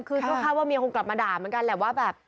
คือก็คาดว่าเมียคงกลับมาด่าเหมือนกันแหละว่าแบบ